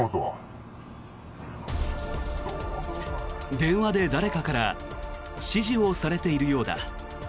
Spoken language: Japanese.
電話で誰かから指示をされているようだ。